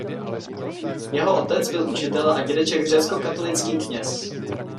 Jeho otec byl učitel a dědeček řeckokatolický kněz.